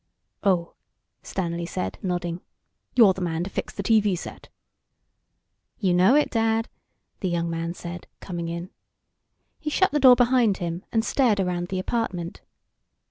"Oh," Stanley said, nodding. "You're the man to fix the TV set." "You know it, Dad," the young man said, coming in. He shut the door behind him, and stared around the apartment.